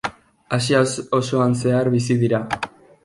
Asia osoan zehar bizi dira.